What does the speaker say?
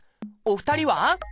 お二人は？